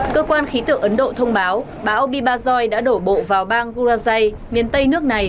cơ quan khí tượng ấn độ thông báo bão bibazoi đã đổ bộ vào bang gurajay miền tây nước này